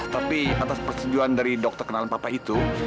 tapi atas persetujuan dari dokter kenalan papa itu